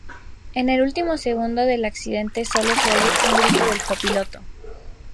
En el último segundo del accidente solo se oye un grito del copiloto.